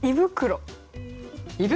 「胃袋」？